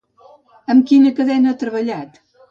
Amb quina cadena ha treballat?